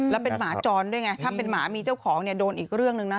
แล้วเป็นหมาจรด้วยไงถ้าเป็นหมามีเจ้าของเนี่ยโดนอีกเรื่องหนึ่งนะ